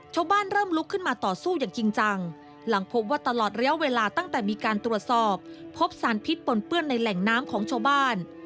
ชาวบ้านเริ่มลุกขึ้นมาต่อสู้อย่างจริงจังหลังพบว่าตลอดระยะเวลาตั้งแต่มีการตรวจสอบพบสารพิษปนเปื้อนในแหล่งน้ำของชาวบ้าน